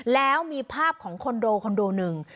แล้วมีภาพของคอนโดคอนโดหนึ่ง